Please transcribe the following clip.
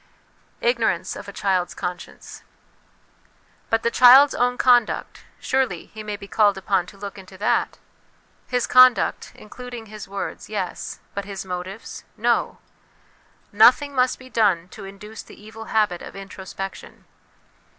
Ignorance of a Child's Conscience. But the child's own conduct : surely he may be called upon to look into that? His conduct, including his words, yes ; but his motives, no ; nothing must be done to induce the evil habit of introspection.